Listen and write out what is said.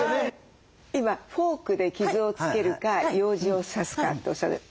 今フォークで傷をつけるかようじを刺すかっておっしゃられてた。